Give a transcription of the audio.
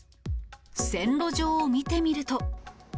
線路上を見てみると。